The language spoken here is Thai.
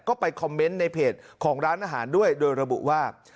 ก็ไปคอมเมนต์ในเพจของร้านอาหารด้วยโดยระบุว่า